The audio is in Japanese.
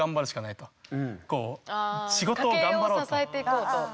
あ家計を支えていこうと。